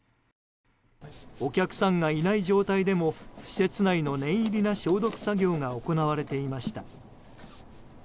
お客さんがいない状態でも施設内の念入りな消毒作業が行われていました。